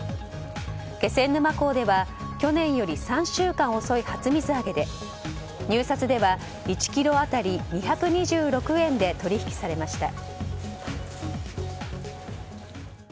気仙沼港では去年より３週間遅い初水揚げで入札では１ｋｇ当たり２２６円で取引されました。